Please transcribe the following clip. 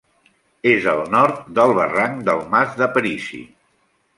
És al nord del barranc del Mas d'Aparici.